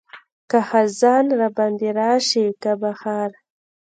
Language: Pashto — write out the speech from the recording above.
که خزان راباندې راشي که بهار.